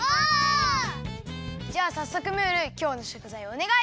じゃあさっそくムールきょうのしょくざいをおねがい！